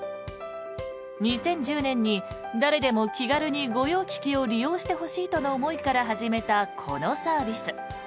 ２０１０年に誰でも気軽に御用聞きを利用してほしいとの思いから始めたこのサービス。